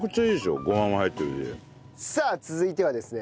さあ続いてはですね